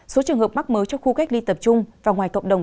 số trường hợp mắc mới trong khu cách ly tập trung và ngoài cộng đồng